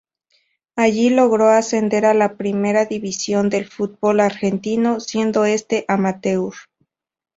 Allí logró ascender a la Primera División del futbol argentino, siendo este amateur.